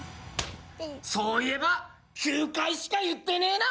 そういえば９回しか言ってねえな！